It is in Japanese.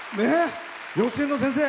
幼稚園の先生。